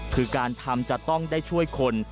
คือการทำจะต้องได้ช่วยคน